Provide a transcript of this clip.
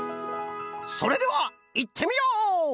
それではいってみよう！